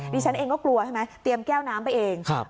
ดิฉันเองก็กลัวใช่ไหมเตรียมแก้วน้ำไปเอง